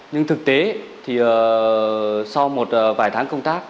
nhưng thực tế thì sau một vài tháng công tác